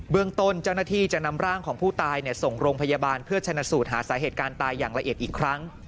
เรื่องต้นเจ้าหน้าที่จะนำร่างของผู้ตายส่งโรงพยาบาลเพื่อชนะสูตรหาสาเหตุการณ์ตายอย่างละเอียดอีกครั้ง